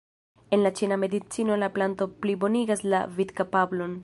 En la ĉina medicino la planto plibonigas la vidkapablon.